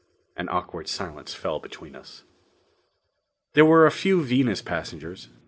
An awkward silence fell between us. There were a few Venus passengers.